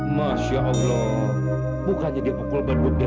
masya allah bukannya diukul berbunyi tidur